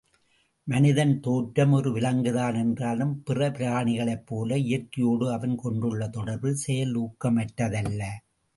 மனிதனது தோற்றம் ஒரு விலங்குதான் என்றாலும், பிற பிராணிகளைப்போல இயற்கையோடு அவன் கொண்டுள்ள தொடர்பு செயலூக்கமற்றதல்ல.